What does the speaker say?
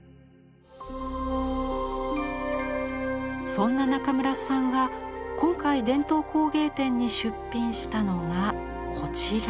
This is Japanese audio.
そんな中村さんが今回伝統工芸展に出品したのがこちら。